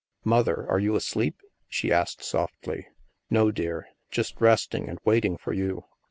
Mother, are you asleep?" she asked softly. No, dear. Just resting and waiting for you.